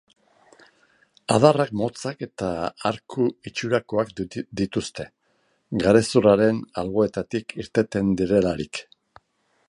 Adarrak motzak eta arku itxurakoak dituzte, garezurraren alboetatik irtetzen direlarik.